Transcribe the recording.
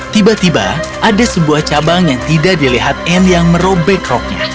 tiba tiba ada sebuah cabang yang tidak dilihat anne yang merobek roknya